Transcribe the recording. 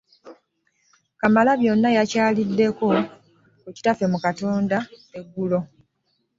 Kamalabyonna yakyaliddeko ku kitaffe mu Katonda eggulo.